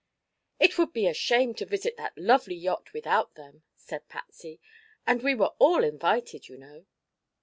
"It would be a shame to visit that lovely yacht without them," said Patsy; "and we were all invited, you know."